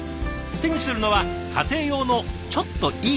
手にするのは家庭用のちょっといい包丁。